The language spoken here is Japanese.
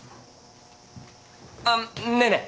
あっねえねえ。